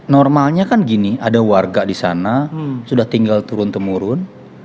normalnya kan gini ada warga di sana sudah tinggal turun temurun